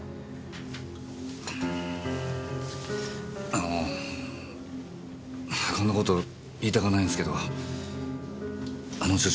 あのこんな事言いたかないんすけどあの調書